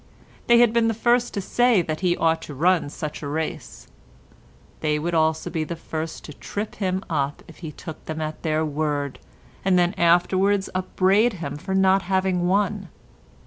They had been the first to say that he ought to run such a race; they would also be the first to trip him up if he took them at their word, and then afterwards upbraid him for not having won.